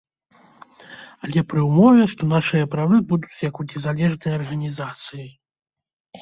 Але пры ўмове, што нашыя правы будуць як у незалежнай арганізацыі.